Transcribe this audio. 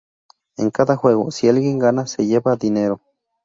En cada juego, si alguien gana se lleva dinero.